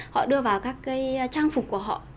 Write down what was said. họ đưa vào các cái trang phục của họ